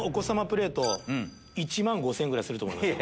プレート１万５０００円ぐらいすると思います。